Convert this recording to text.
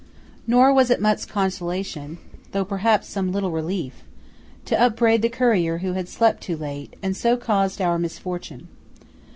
Nor was it much consolation, though perhaps some little relief, to upbraid the courier who had slept too late, and so caused our misfortune.